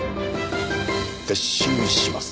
撤収します。